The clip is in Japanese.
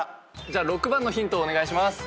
じゃあ６番のヒントをお願いします。